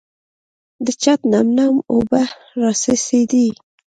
د چته نم نم اوبه راڅڅېدې .